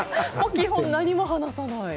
基本何も話さないと。